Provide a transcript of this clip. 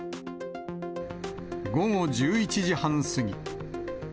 午後１１時半過ぎ。